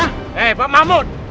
eh pak mahmud